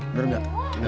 udah liat gak